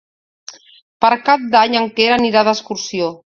Per Cap d'Any en Quer anirà d'excursió.